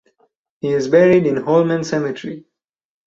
He is buried in Holmen Cemetery.